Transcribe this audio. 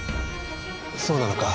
そうなのか？